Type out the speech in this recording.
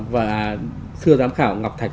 và thưa giám khảo ngọc thạch